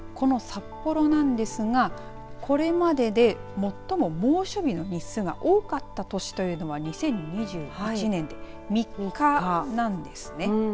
この札幌なんですがこれまでで最も猛暑日の日数が多かった年というのは２０２１年で３日なんですね。